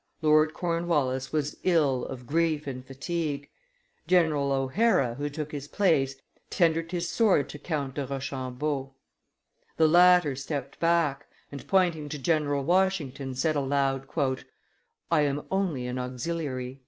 Lord Cornwallis was ill of grief and fatigue. General O'Hara, who took his place, tendered his sword to Count de Rochambeau; the latter stepped back, and, pointing to General Washington, said aloud, "I am only an auxiliary."